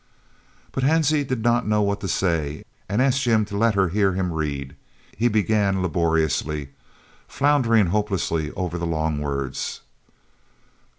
But Hansie did not know what to say and asked Jim to let her hear him read. He began laboriously, floundering hopelessly over the long words.